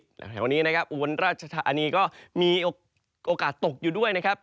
แถววันนี้นะครับอุบลราชธานีก็มีโอกาสตกอยู่ด้วยนะครับ